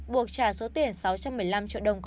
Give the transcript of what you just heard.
buộc trả số tiền sáu trăm một mươi năm triệu đồng